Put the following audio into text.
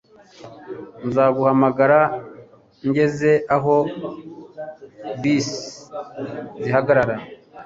Nzaguhamagara ngeze aho bisi zihagarara